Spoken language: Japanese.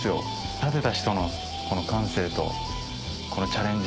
建てた人のこの感性とこのチャレンジ